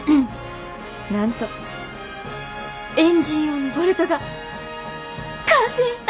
なんとエンジン用のボルトが完成した！